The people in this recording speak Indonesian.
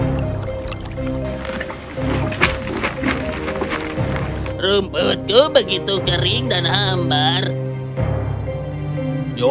rumputku begitu kering dan hambar